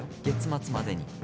月末までに。